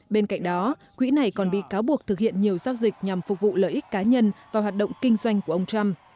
bên cạnh đó quỹ này còn bị cáo buộc thực hiện nhiều giao dịch nhằm phục vụ lợi ích cá nhân và hoạt động kinh doanh của ông trump